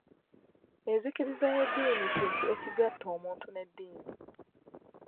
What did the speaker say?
Enzikiriza y'eddiini kintu ekigatta omuntu n'eddiini